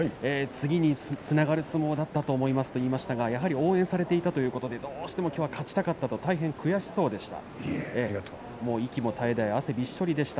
次につながる相撲だったと思いますと言いましたけども応援されていたということできょうは勝ちたかったと大変悔しそうでした。。